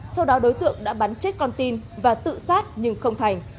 sau đó đối tượng đã bắn chết con tin và tự sát nhưng không thành